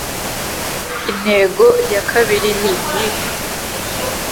intego ya kabiri niyihe